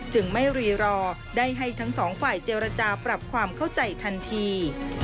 จึงไม่รีรอได้ให้ทั้งสองฝ่ายเจรจาปรับความเข้าใจทันที